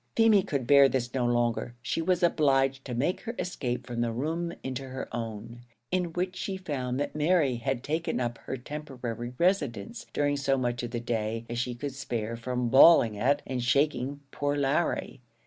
Feemy could bear this no longer; she was obliged to make her escape from the room into her own, in which she found that Mary had taken up her temporary residence during so much of the day as she could spare from bawling at, and shaking, poor Larry.